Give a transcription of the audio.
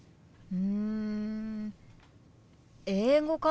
うん。